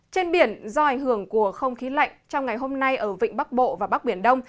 trên biển do ảnh hưởng của không khí lạnh trong ngày hôm nay ở vịnh bắc bộ và bắc biển đông